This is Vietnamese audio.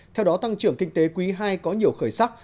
theo đó tăng trưởng kinh tế quý ii có nhiều khởi sắc